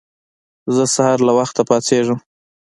زه سهار له وخته پاڅيږم.